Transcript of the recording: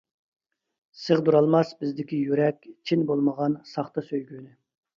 سىغدۇرالماس بىزدىكى يۈرەك، چىن بولمىغان ساختا سۆيگۈنى.